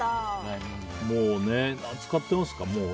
もう使ってますか？